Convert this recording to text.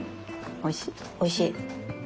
おいしい。